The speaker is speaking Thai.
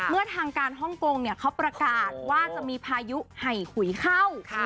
เมื่อทางการฮ่องกงเขาประกาศว่าจะมีพายุไห่ขุยเข้า